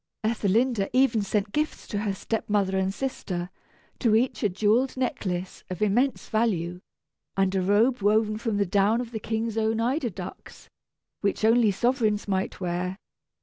Ethelinda even sent gifts to her step mother and sister; to each a jewelled necklace of immense value, and a robe woven from the down of the King's own eider ducks, which only sovereigns might wear.